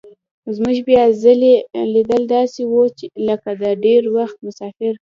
زموږ بیا ځلي لیدل داسې وو لکه د ډېر وخت مسافر.